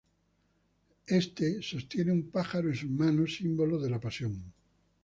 Este sostiene un pájaro en sus manos, símbolo de la Pasión de Cristo.